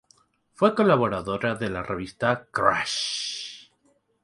Fue colaboradora de la revista "Crash!!